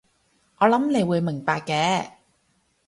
我諗你會明白嘅